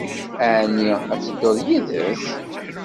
Ɛni ad tedduḍ yid-s?